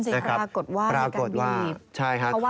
นั่นสิปรากฏว่าในการบีบเขาว่านะ